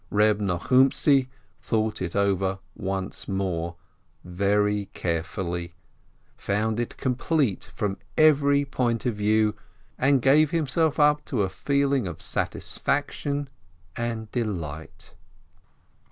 Reb Nochumtzi thought it over once more, very carefully, found it complete from every point of view, and gave himself up to a feeling of satisfaction and delight.